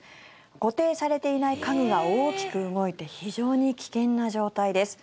固定されていない家具が大きく動いて非常に危険な状態です。